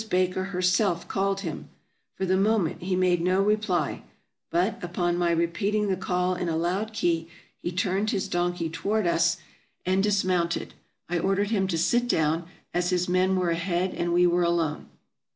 Baker herself called him. For the mo= ment he made no reply; but, upon my repeating the call in a loud key, he turned his donkey toward us and dis AFRICA 373 mounted. I ordered him to sit down, as his men were ahead and we were alone.